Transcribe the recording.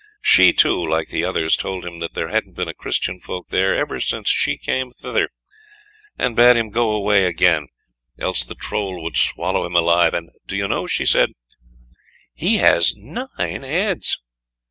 She too like the others told him there hadn't been Christian folk there ever since she came thither, and bade him go away again, else the Troll would swallow him alive, and do you know, she said, he has nine heads.